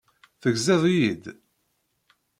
Tegziḍ-iyi-d?